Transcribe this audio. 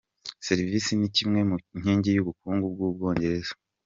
Serivisi ni kimwe mu nkingi y’ubukungu bw’u Bwongereza.